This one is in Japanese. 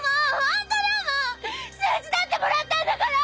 数字だってもらったんだから！